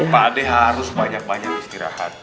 pak ade harus banyak banyak istirahat